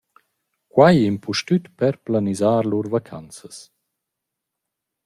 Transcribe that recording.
Quai impustüt per planisar lur vacanzas.